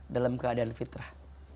dalam keadaan fitrah